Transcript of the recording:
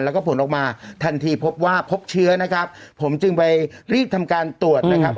แล้วก็ผลออกมาทันทีพบว่าพบเชื้อนะครับผมจึงไปรีบทำการตรวจนะครับ